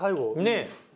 ねえ。